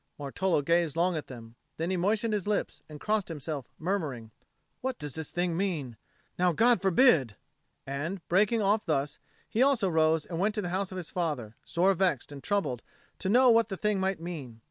Martolo gazed long at them; then he moistened his lips and crossed himself, murmuring, "What does this thing mean? Now God forbid !" And, breaking off thus, he also rose and went to the house of his father, sore vexed and troubled to know what the thing might mean.